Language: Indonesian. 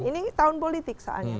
ini tahun politik soalnya